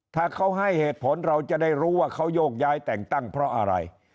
ถ้าเขาให้เหตุผลเราจะได้รู้ว่าเขาโยกย้ายแต่งตั้งเพราะอะไร